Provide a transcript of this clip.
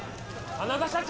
真田社長